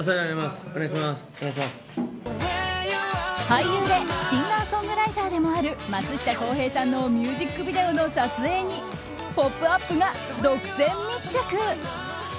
俳優でシンガーソングライターでもある松下洸平さんのミュージックビデオの撮影に「ポップＵＰ！」が独占密着。